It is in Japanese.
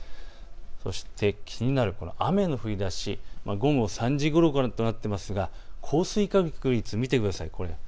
そして気になる雨の降りだし、午後３時ごろからとなっていますが、降水確率を見てください。